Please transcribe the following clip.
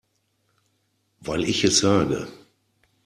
Weil ich es sage.